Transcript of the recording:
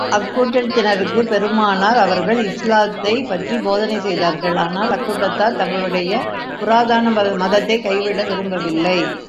அக்கூட்டத்தினருக்குப் பெருமானார் அவர்கள் இஸ்லாத்தைப் பற்றி போதனை செய்தார்கள் ஆனால், அக்கூட்டத்தார் தங்களுடைய புராதன மதத்தைக் கைவிட விரும்பவில்லை.